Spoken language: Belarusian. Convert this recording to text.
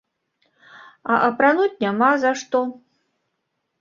А апрануць няма за што.